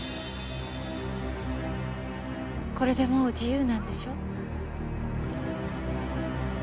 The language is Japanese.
これでもう自由なんでしょ？